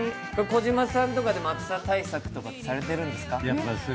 児嶋さんとかでも暑さ対策とかされてるんですか。